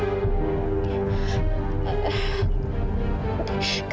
saya masuk dulu ya